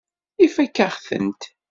Ifakk-aɣ-tent.